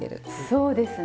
そうですね。